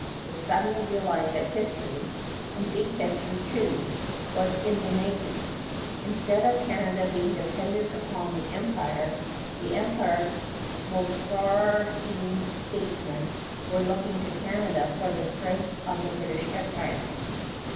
They suddenly realized that history, and big history, too, was in the making. Instead of Canada being dependent on the Empire, the Empire's most far seeing statesmen were looking to Canada for the strength of the British Empire.